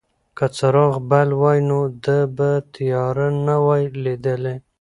که څراغ بل وای نو ده به تیاره نه وای لیدلې.